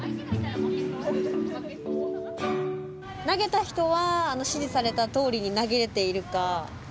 投げた人は指示されたとおりに投げれているか。